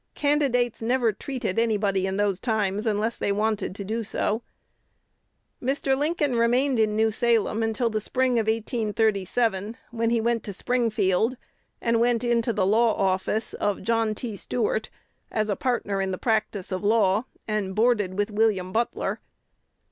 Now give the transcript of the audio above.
Candidates never treated anybody in those times unless they wanted to do so. "Mr. Lincoln remained in New Salem until the spring of 1837, when he went to Springfield, and went into the law office of John T. Stuart as a partner in the practice of law, and boarded with William Butler.